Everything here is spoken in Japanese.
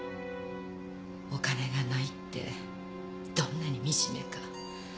お金がないってどんなに惨めか。